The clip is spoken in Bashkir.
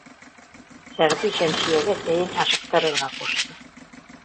Сәғди Шәмсиәгә сәйен ашыҡтырырға ҡушты.